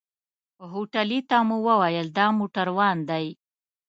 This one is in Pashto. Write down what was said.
هوټلي ته مو وويل دا موټروان دی.